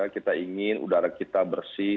kita ingin udara kita bersih